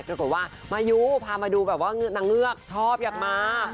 ปรากฏว่ามายูพามาดูแบบว่านางเงือกชอบอยากมา